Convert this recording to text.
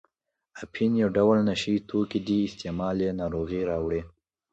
اپین یو ډول نشه یي توکي دي استعمال یې ناروغۍ راوړي.